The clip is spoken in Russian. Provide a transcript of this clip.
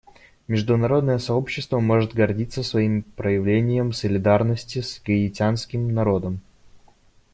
Международное сообщество может гордиться своим проявлением солидарности с гаитянским народом.